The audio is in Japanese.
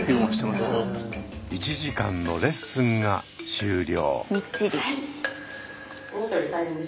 １時間のレッスンが終了。